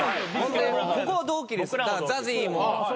ここ同期ですＺＡＺＹも。